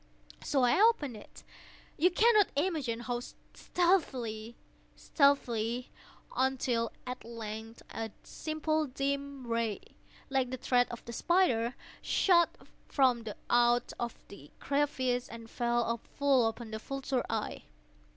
So I opened it—you cannot imagine how stealthily, stealthily—until, at length a simple dim ray, like the thread of the spider, shot from out the crevice and fell full upon the vulture eye.